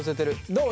どう？